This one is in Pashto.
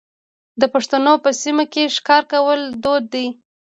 د پښتنو په سیمو کې ښکار کول دود دی.